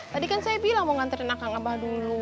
tadi kan saya bilang mau nganterin anak abah dulu